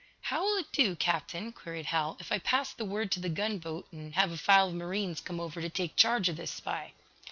"How will it do, Captain," queried Hal, "if I pass the word to the gunboat and, have a file of marines come over to take charge of this spy?"